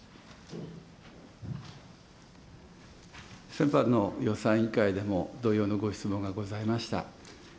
先般の予算委員会でも同様のご質問がございました。